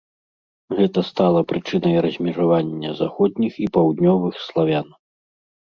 Гэта стала прычынай размежавання заходніх і паўднёвых славян.